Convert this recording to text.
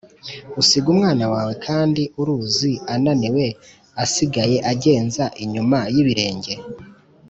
usiga umwana wawe kandi uruzi ananiwe asigaye agenza inyuma y'ibirenge, a